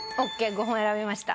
５本選びました。